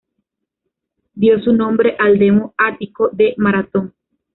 Dio su nombre al demo ático de Maratón.